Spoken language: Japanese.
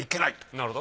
なるほど。